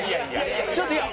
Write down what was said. ちょっといや。